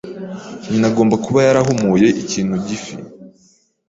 Nyina agomba kuba yarahumuye ikintu gifi.